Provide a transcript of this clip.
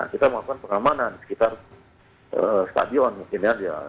kita melakukan pengamanan di sekitar stadion mungkin ya